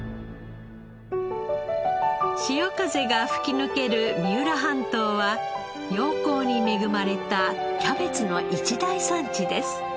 潮風が吹き抜ける三浦半島は陽光に恵まれたキャベツの一大産地です。